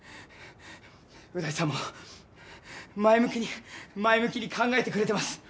ウダイさんも前向きに、前向きに考えてくれてます。